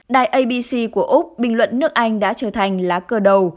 đài abc của úc bình luận nước anh đã trở thành lá cờ đầu